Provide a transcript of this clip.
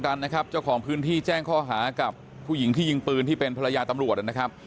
กันนะครับเจ้าของพื้นที่แจ้งข้อหากับผู้หญิงที่ยิงปืนที่เป็นภรรยาตำรวจนะครับ